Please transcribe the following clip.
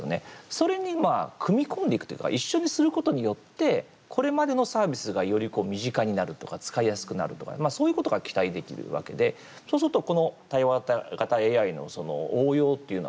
それに組み込んでいくというか一緒にすることによってこれまでのサービスがより身近になるとか使いやすくなるとかそういうことが期待できるわけでそうするとこの対話型ＡＩの応用っていうのはですね